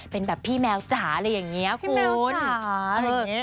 เป็นแบบพี่แมวจ๋าอะไรอย่างนี้คุณใช่อย่างนี้